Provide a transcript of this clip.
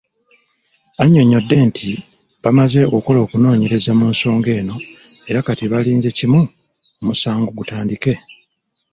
Annyonnyodde nti bamaze okukola okunoonyereza mu nsonga eno era kati balinze kimu omusango gutandike.